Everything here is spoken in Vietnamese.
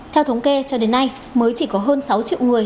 theo thống kê cho đến nay mới chỉ có hơn sáu triệu người